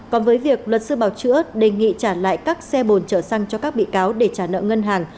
còn với việc luật sư bảo chữa đề nghị trả lại các xe bồn chở xăng cho các bị cáo để trả nợ ngân hàng